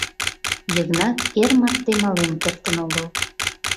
Йыгнат эр марте мален кертын огыл.